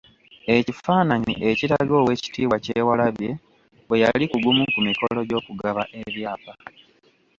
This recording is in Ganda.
Ekifaananyi ekiraga Oweekitiibwa Kyewalabye bwe yali ku gumu ku mikolo gy’okugaba ebyapa.